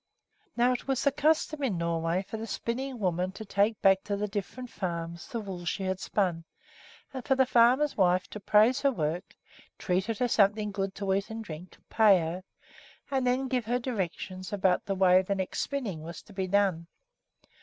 Now it was the custom in Norway for the spinning woman to take back to the different farms the wool she had spun, and for the farmers' wives to praise her work, treat her to something good to eat and drink, pay her, and then give her directions about the way the next spinning was to be done.